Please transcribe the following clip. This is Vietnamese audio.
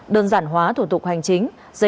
đơn giản hóa thủ tục hành chính